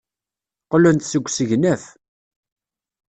Qqlen-d seg usegnaf.